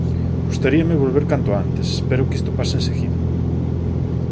Gustaríame volver cando antes, espero que isto pase enseguida.